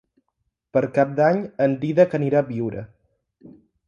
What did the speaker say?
Per Cap d'Any en Dídac anirà a Biure.